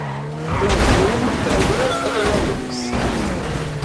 Confirme também o ônibus